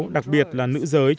đặc biệt là nữ giới